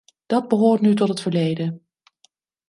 Dat behoort nu tot het verleden.